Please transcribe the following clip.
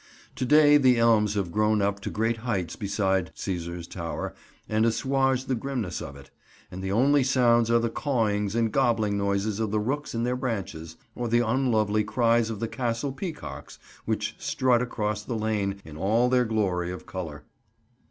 To day the elms have grown up to great heights beside Cæsar's Tower and assuage the grimness of it, and the only sounds are the cawings and gobbling noises of the rooks in their branches, or the unlovely cries of the Castle peacocks which strut across the lane in all their glory of colour.